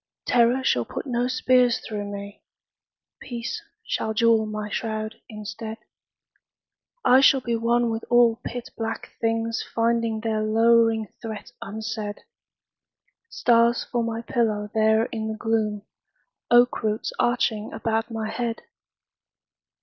Terror shall put no spears through me. Peace shall jewel my shroud instead. I shall be one with all pit black things Finding their lowering threat unsaid: Stars for my pillow there in the gloom,— Oak roots arching about my head!